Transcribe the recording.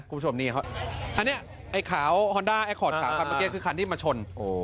คุณผู้ชมนี่ครับอันนี้ไอ้ขาวฮอนด้าไอ้คอร์ดขาวครับเมื่อกี้คือคันที่มาชน